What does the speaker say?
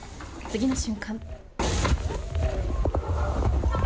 次の瞬間